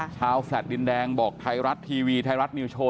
แฟลต์ดินแดงบอกไทยรัฐทีวีไทยรัฐนิวโชว